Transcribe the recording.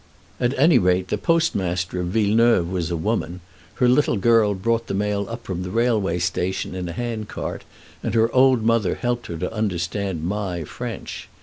At any rate, the postmaster of Villeneuve was a woman; her little girl brought the mail up from the railway station in a hand cart, and her old mother helped her to understand my French.